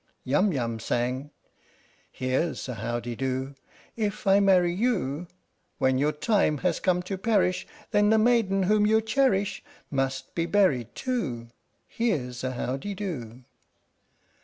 Yum Yum sang : Here's a how de do! If I marry you, When your time has come to perish, Then the maiden whom you cherish Must be buried too ! Here 's a how de do